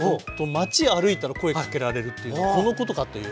街歩いたら声かけられるっていうのはこのことかという。